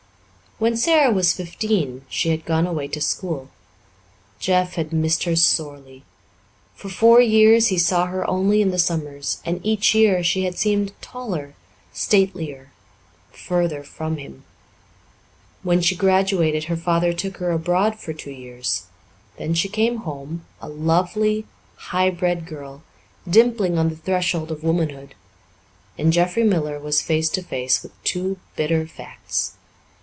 When Sara was fifteen she had gone away to school. Jeff had missed her sorely. For four years he saw her only in the summers, and each year she had seemed taller, statelier, further from him. When she graduated her father took her abroad for two years; then she came home, a lovely, high bred girl, dimpling on the threshold of womanhood; and Jeffrey Miller was face to face with two bitter facts.